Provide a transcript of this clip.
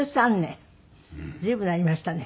随分になりましたね。